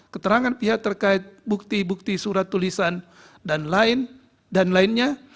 keterangan pihak terkait bukti bukti surat tulisan dan lain dan lainnya